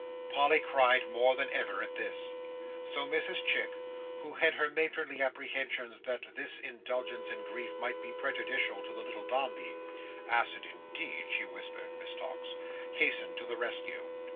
Polly cried more than ever at this. So Mrs Chick, who had her matronly apprehensions that this indulgence in grief might be prejudicial to the little Dombey ("acid, indeed," she whispered Miss Tox), hastened to the rescue.